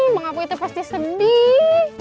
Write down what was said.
bang apu itu pasti sedih